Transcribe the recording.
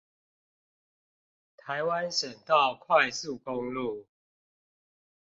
臺灣省道快速公路